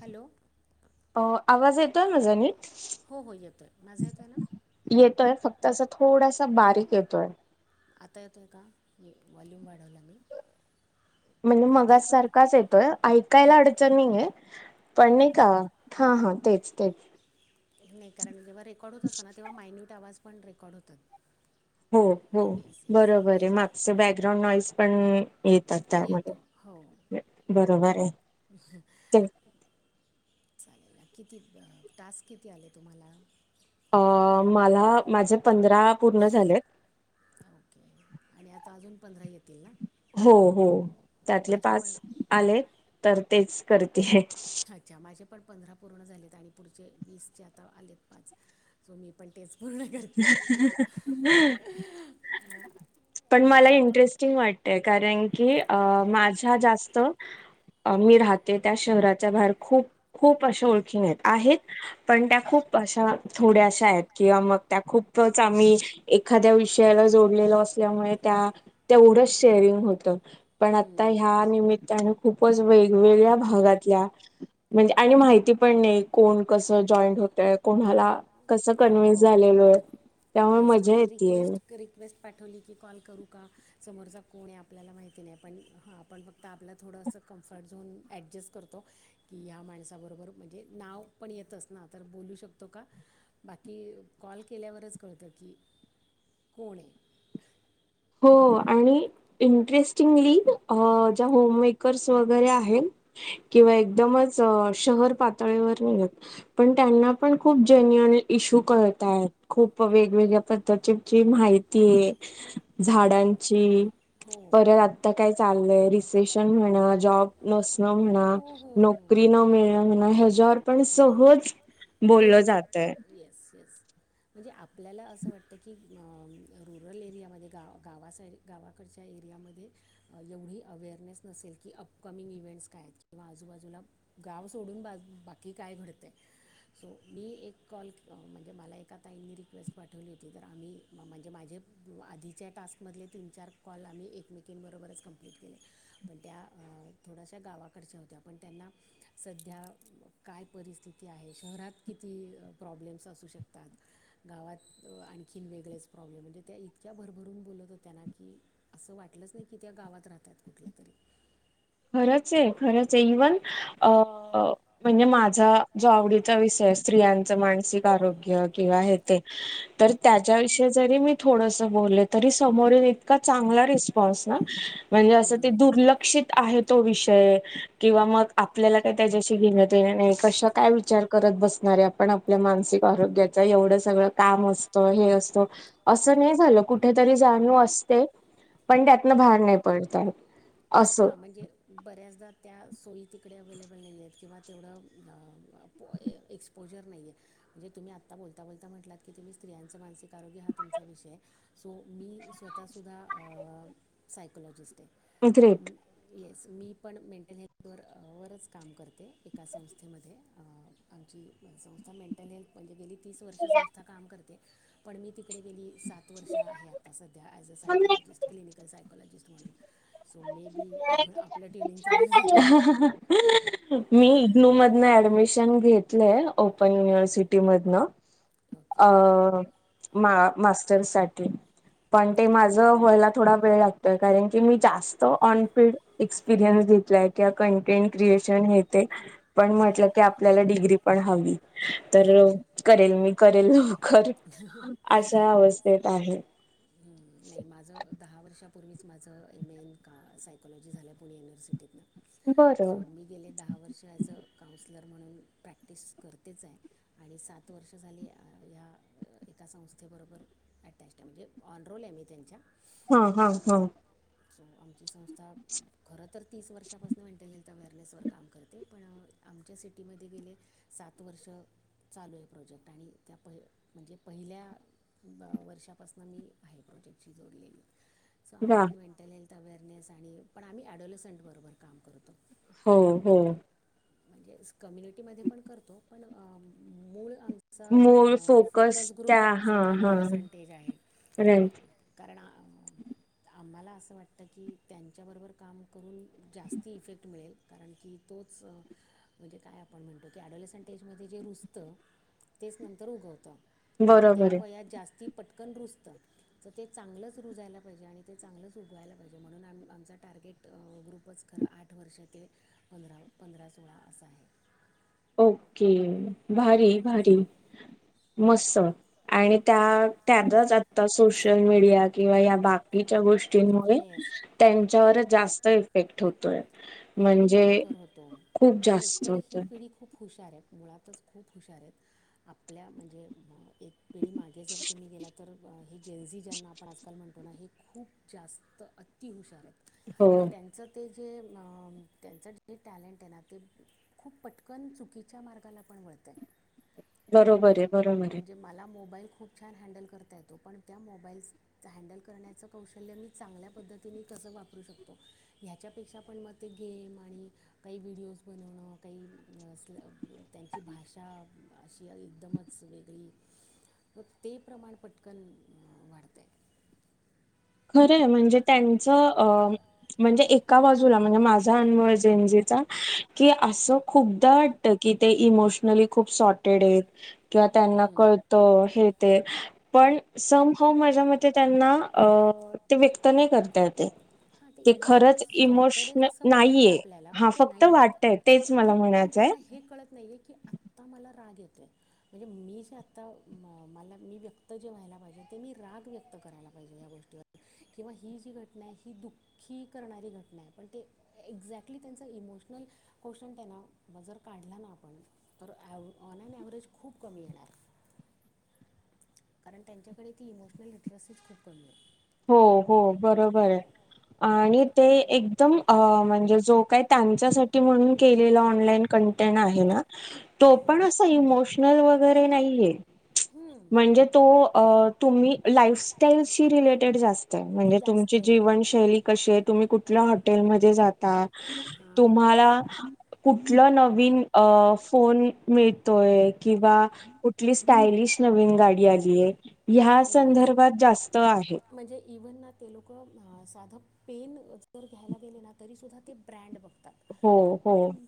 Hello! अ आवाज येतो आहे माझा नीट येतोय फक्त अस थोडा स बारीक येतोय आता येतो य का वॉल्यूम वाढवल नही म्हणजे मगा सारखाच येतोय, ऐकायला अडचण नाहीय पण नाही का हा हा, तेच तेच, नाही कारण जेव्हा रेकॉर्ड होत असतं ना, तेव्हा मायन्यूट आवाज पण रेकॉर्ड होतात. हो, हो बरोबर आहे मागच बॅकग्राउंड नॉईस पण येतात त्यामध्ये बरोबर आहे ते. चालेल किती टास्क, किती आले तुम्हाला? अ मला माझे पंधरा पूर्ण झालेत. ओके, आणि आता अजून पंधरा येतील ना? हो, हो, त्यातले पाच आलेत तर तेच करते अच्छा माझे पण पंधरा पूर्ण झालेत, आणि पुढचे वीसचे आता आलेत पाच, सो मी पण तेच पूर्ण करतिया पण मला इंटरेस्टिंग वाटतय, कारण की अ माझ्या जास्त अ मी राहते त्या शहराच्या बाहेर खूप, खूप अश्या ओळखी आहेत, आहेत पण त्या खूप अशा थोड्या अशा आहेत की या मग त्या खूपच आम्ही एखाद्या विषयाला जोडलेलो असल्यामुळे त्या तेवढंच शेअर रिंग होत पण आता ह्या निमितने खूपच वेगवेगळ्या भागातल्या म्हणजे आणी माहिती पण नही कोण कस जाईंड होतय कोणाला कसं कन्व्हेंस जा येस म्हणजे रिक्वेस्ट, रिक्वेस्ट, पाठवली की कॉल करू का? समोरचा कोण हे आपल्याला माहिती नाही, पण हां आपण फक्त आपला थोडंसं कम्फर्ट झोन ॲडजस्ट करतो. ह्या माणसाबरोबर म्हणजे नाव पण येतच ना, तर बोलू शकतो का? बाकी कॉल केल्यावरच कळतं की कोण हे. हो आणि इंटरेस्टिंगली अ ज्या होम मेकर्स वगैरे आहेत किंवा एकदमच अ शहर पातळीवर पण त्यांना पण खूप जेन्यूनली इशू कळताय खूप वेगवेगळ्या पद्धतीची माहिती हे झाडांची, परत आता काय चाललय, रिसेशन होणं जॉब नसणं, म्हणा नोकरी न मिळण म्हणा, ह्याच्यावर पण सहज बोलू शकतात. येस-येस. म्हणजे आपल्याला असं वाटत की. रुगल एरियामध्ये गावासाठी गावा च्या एरियामध्ये. एवढी अवेअरनेस नसेल की. अपकमिंग इव्हेंट्स काय आहेत. किंवा आजूबाजूला गाव सोडून बा-बाकी काय घडतय. सो मी एक कॉल. म्हणजे मला एका ताईनी रिक्वेस्ट पाठवली होती. तर आम्ही म म्हणजे माझे. आधीच्या टास्कमधले तीन-चार कॉल आम्ही एकमेकींबरोबरच कम्प्लीट केले. पण त्या. थोड्याशा गावाकडच्या होत्या. पण त्यांना सध्या काय परिस्थिती आहे शहरात किती प्रॉब्लेम्स असू शकतात? गावात आणखीन वेगळेच प्रॉब्लेम म्हणजे त्या इतक्या भरभरून बोलत होत्या ना की, आसं वाटलंच नाही की, त्या गावात राहतात कुठल्यातरी. खरंच ए, खरंच ए इव्हन अ म्हणजे माझा जो आवडीचा विषय स्त्रियांच मानसिक आरोग्य किंवा हे ते तर त्याच्याविषयी जरी मी थोडंस बोलले तरी समोरून इतका चांगला रिस्पॉन्स हा म्हणजे अस दुर्लक्षित आहे तो विषय किंवा मग आपल्याला काही त्याच्याशी घेन देणं नाही कश काय विचार करत बसणारे आपण, आपल्या मानसिक आरोग्याच एवढं सगळं काम असतं, हे असतो. आसं नाही झालं. कुठेतरी जानीव असते पण त्यातनं बाहेर नाही पडता येत. आसं. बऱ्याचदा त्या सोयी तिकडे अवे्लेबल नाही आहेत किंवा तेवढं ए एक्सपोजर नाहीये म्हणजे तुम्ही आत्ता बोलता बोलता म्हटलात की तुम्ही स्त्रीयांच मानसीक आरोग्य हा त्यांचा विषय हाय, सो मी स्वतः सुद्धा अ सायकलॉजिस्ट ए ग्रेट. मी पण मेंटल हेल्थवर अ वरच काम करते एका संस्थेमध्ये. आमची ही संस्था मेंटल हेल्थ म्हणजे गेली तीस वर्ष संस्था काम करते पण मी तिकडे गेलीये सात वर्ष आहे आता, सध्या as a psychologist, clinical psychologist म्हणून. मे बी आपल्या टी मी इगलू मधन ऍडमिशन शन घेतलय ओपन युनिव्हर्सिटी मधन अ मा मास्टर्स साठी, पण ते माझ व्हायला थोडा वेळ लागतोय, कारण की मी जास् [unintelligible] आपल्याला डिग्री पण हवी. तर करेल मी, करेल लवकर अशा अवस्थेत आहे. हम्म. नाही माझं दहा वर्षा पूर्वीच माझं एम एन का सायकॉलॉजी झालंय पुणे युनिव्हर्सिटीतन. सो मी गेले दहा वर्ष ॲज अ काउन्सलर म्हणून प्रॅक्टिस करतेच आहे. आणि सात वर्ष झाली ह्या एका संस्थेबरोबर ॲटॅचड आहे म्हणजे ऑन रोल आहे मी त्यांच्या. आमची संस्था खर तर तीस वर्षापासून मेंटल हेल्थ अवरनेसवर काम करते, पण आमच्या सिटीमध्ये गेले सात वर्ष चालू आहे प्रोजेक्ट आणि त्या पहि म्हणजे पहिल्या वर्षापासून मी आहे. प्रोजेक्टशी जोडलेली. सो आम्ही पण मेंटल हेल्थ अवेअरनेस आणि पण आम्ही ऍडोलोसंट बरोबर काम करतो. हो, हो. म्हणजे कम्युनिटीमध्ये पण करतो. पण मूळ आमचा फोकस ग्रुप आमचा ऍडोलेसंटेज आहे. कारण आ.... आम्हांला असं वाटतं की त्यांच्याबरोबर काम करून जास्ती इफेक्ट मिळेल. कारण की तोच म्हणजे काय आपण म्हणतो, की अडल सेंटेजमध्ये जे रुसतं तेच नंतर उगवतं आणि त्या वया जास्ती पट न रुजतं तर ते चांगलंच रुजायला पाहिजे आणि ते चांगलंच उगवायला पाहिजे म्हणून आ आमचा टार्गेट ग्रुपच ख आठ वर्ष ते पंधरा ओके भारी हे भारी हे मस्त आणि त्यातच आता सोशल मीडिया किंवा या बाकी गोष्टींमुळे त्यांच्यावर जास्त इफेक्ट होतोय म्हणजे खूप जास्त होतोय. खूप हुशार आहेत मुळातच खूप हुशार आहेत आपल्या म्हणजे एक पिढी मागे जर तुम्ही गेला तर हे जेन्झी ज्यांना आपण आजकाल म्हणतो ना हे खूप जास्त अति हुशार आहेत पण त्यांचं ते जे त्यांचं जे टॅलेंट आहे ना ते खूप पटकन चुकीच्या मार्गाला पण वळतो [inaudible] बरोबर आहे, बरोबर आहे. खूप छान हँडल करता येतो पण त्या मोबाईल हँडल करण्याचं कौशल हयाला नी चांगल्या पद्धतीने तर वापरू शकतो हच्याेक्षा पण म ते गेम आणि का काही व्हिडिओज बनवणं काही त्यांची भाषा अशी एकदमच वेगळी मग ते प्रमाण पटकन वाढतंय. [unintelligible] खरं म्हणजे त्यांचं अ म्हणजे एका बाजूला म्हणजे माझाअनुभव आहे अनमर्जेंसीचा क अस खूपदा वाटत की ते इमोशनली खूप सॉटेड आहेत किंवा त्यांना कळतो हे ते पण सम हा माझ्या मते त्यांना अ ते व्यक्त नाही करता येत आहे. ते खरंच इमोशन नाहीये हा फक्त वाटतय तेच मला म्हणा त्यांना हे कळत नाही आहेे की आत्ता मला राग येत [inaudible] म्हणजे मी जे आत्ता म मला मी व्यक्त जे व्हायला पाहिजे ते मी राग व्यक्त करायला पाहिजे या गोष्टीवर किंवा ही जी घटना आहे ही दुः खी करणारी घटना हाय, पण ते एक्झॅक्टली त्यांच इमोशनल क्वेशन त्यांना जर काढला ना आपण तर व ऑनलाईन व्हरेज खूप कमी येणार [inaudible] [inaudible] कारण त्यांच्याकडे ती इमोशनल लिटरसी खूप कमी आहे हो हो. बरोबर हाय. आणि ते एकदम म्हणजे जो काय अ त्यांच्यासाठी म्हणून केलेला ऑनलाईन क तो आहे ना, तो पण अस इमोशनल वगैरे नाहीेए. म्हणजे तो अ तुम्ही लाईफस्टाईलशी रिलेटेड जास्त म्हणजे तुमची जीवनशैली कशी हाय? तुम्ही कुठ ल्या हॉटेल मध्ये जाता? तुम्हाला कुठलं नवीन फोन मिळतोय किंवा कुठली स्टायलिश नवीन गाडी आलीए? ह्या संदर्भात जास्त आहे इव्हन ना ते लोकं साधं पेन जर घ्यायला गेले ना, तरीसुद्धा ते ब्रँड बघत.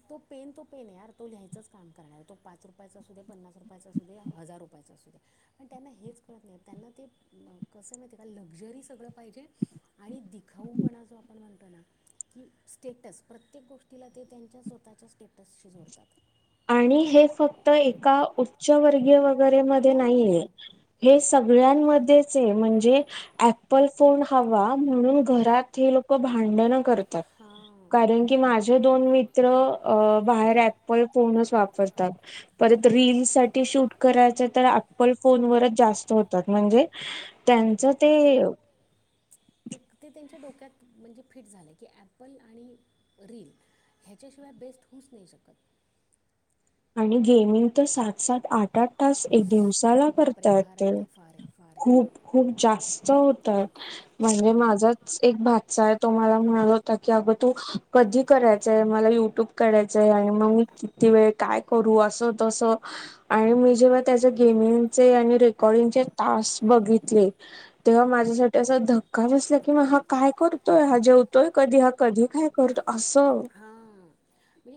तो पेन तो पेन आहेर तो लिहायच काम करणार तो पाच रुपयाचा पन्नास र रुपयाचा असू दे्या हजार रुपयाचा असू दे्या पण त्यांना हेच कळत नाही त्यांना ते कसं माहि आहे का लक्झरी सगळं पाहिजे आणि दिखाऊपणा जो आपण म्हणत स्टेटस, प्रत्येक गोष्टीला ते त्यांच्या स्वतःच्या स्टेटसशी जोडतात. आणि हे फक्त एका उच्चवर्गीय व स म्हण अल फोन हवा म्हणून घरात हे लोक भांडण करतात कारण की, माझे दोन मित्र अ बाहेर हायेत पणं फोन वापरतात परत रीलील साठी शूट करायच तर अपल फोनवरच जास्त त म्हण त ते त्यांच्या डो म्हणजे फिट झालं की ऍप्पल आणि रीलील ह्याच्याशिवाय बेस्ट होऊच नाही शकत [unintelligible] आणि गेमिंग तर सात - सात, आठ - आठ तास एक दिवसाला करतात खूप खूप जास्त होतात म्हणजे माझाच एक भाचा आहे तो मला म्हणा होता की अग तू कधी करायचंय? मला युट्यूब काढायचंय आणि मग मी किती वेळ करू आस तस आणि मी जेव्हा त्या गेमिंगचे आणि रेकॉर्डिंगचे त बघितले तेव्हा माझ्यासाठी असा धका बला की म हा काय करतोय हा जेव्हा होतोय कधी हा कधी काय करत अस म्हण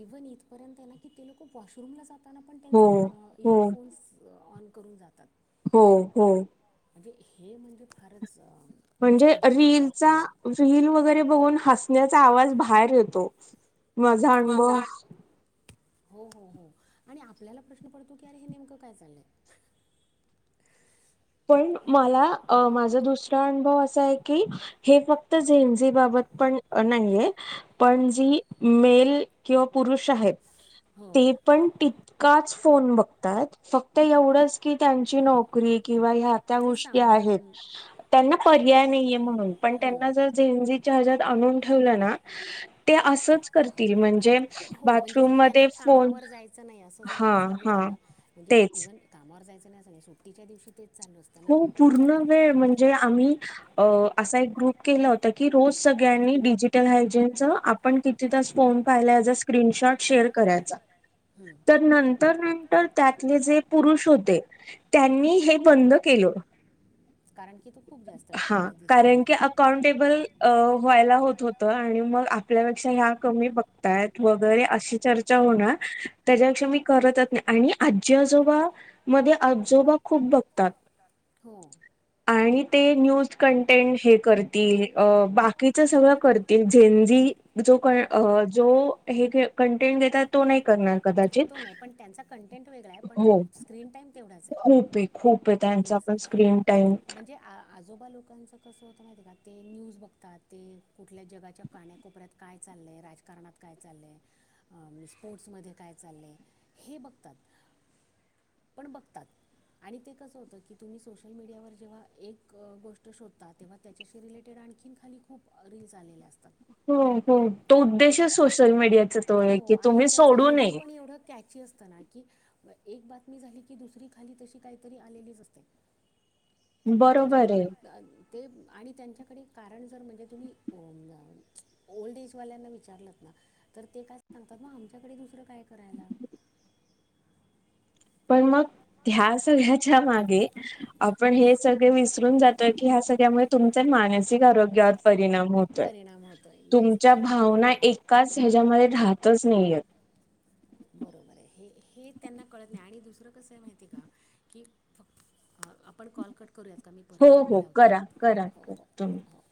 इव इथ पर्यंत ना की, ते लोक वॉशरूमला जाताना पण, त्यांचं इयरफोन्स ऑन करून जातात. हो. हो. म्हणजे हे म्हणजे फारच म्हणजे रीलचा, रील वगैरे बघून हसण्याचा आवाज बाहेर येतो, माझा अनुभव हो हो हो आणि आपल्याला प्रश्न पडतो, की अरे हे नेमकं काय चाललंय. पण मला अ माझ दुसरा अनुभव असा आहे की, हे फक्त झेंझेबाबत, पण नाहीय पण जी मेल किंवा, पुरुष आहेत. ते पण तीत काच फोन बघतायत, फक्त एवढच की त्यांची नोकरी किंवा, त्यां त्या गोष्टी आहेत. त्यांना पर्याय नाहीे म्हणून, पण त्यांना जर जेंजी, आणून ठेवलं ना, ते असंच करतील म्हणजे, बाथरूम मध्ये फोन हा हा, हा म्हणजे इव्हन कामावर जायचं नाही, अस नाही सुट्टीच्या दिवशी, हो पूर्ण वेळ म्हणजे आम्ही, अ असा एक ग्रुप केला होता, की रोज सगळ्यांनी डिजिटल हायजेनच आपण किती फोन पाहिला स्क्रीनशॉट शेअर करायचा, हम्म, तर नंतर नंतर त्यातले, जे पुरुष होते त्यांनी हे बंद, इ [unintelligible] आणखी तू खूप, हा कारण की, अकाउंटेबल अ व्हायला होत होत, आणि मग आपल्यापेक्षा ह्या, कमी बघतायत वगरे अशी चर्चा होणार, त्याच्यापेक्षा मी करतत नाही आणि, आज्जी आजोबा मध्ये आज्जोबा खूप बघतात. हो, आणि ते न्यूज कंटेंट हे करतील अब, बाकीच सगळ करतील झेंझी, जो क अ जो हे क कंटेट घेतात. तो नाही करणार कदाचित, पण त्यांचा कंटेंट वेगळा आहे, पण स्क्रीन टाइम तेवढाच आहे. येस म्हणजे आजोबा लोकांच कसं होत, माहितेय का ते न्यूज बघ, आता ते कुठल्या जगाच्या काण्याकोपऱ्यात काय, चाल्लय राजकारणात काय चाल्लय अ म, स्पोर्ट्समध्ये चाल्लय हे बघतात. [unintelligible] पण बघतात. आणि ते कसं होतं, की तुम्ही सोशल मीडियावर जेव्हा एक गोष्ट शोधता, तेव्हा त्याच्याशी रिलेटेड आणखी, खाली खूप रील्स आलेल्या अस, हो हो तो उद्देश सोशल मीडियाचा तो आहे. की तुम्ही सोडू नये, ची असतना की म एक बातमी झाली की, दुसरी खाली तशी काहीतरी आलेलीच असते. त्याच्यामुळ अ ते आणि त्यांच्या, कारण जर म्हणजे तुम्ही, ओ नाम ओल्ड एजवाल्यांना विचारलात ना तर ते काय सांगतात. म आमच्याकडे दुसरं काय पण मग ह्या सगळ्याच्या मागे, आपण हे सगळे विसरून जातोय की, सगळ्यामुळ तुमच मानसिक आरोग्या, परिणाम होतोय, तुमच्या भावना एकाच ह्याच्यामध्ये राहतच नाहीयेत, [unintelligible] बरोबर आहे हे हे त्यांना कळत नाही, आणि दुसर तरं कसं आहे माहिती का? की फक्त, ह आपण कॉल कट करूयात का? मी परत मी लावते. हो हो हो हो,